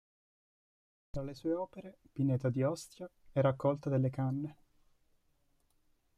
Tra le sue opere: "Pineta di Ostia" e "Raccolta delle canne".